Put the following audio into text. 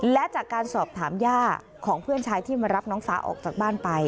และจากการสอบถามย่าของเพื่อนชายที่มารับน้องฟ้าออกจากบ้านไป